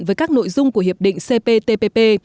với các nội dung của hiệp định cptpp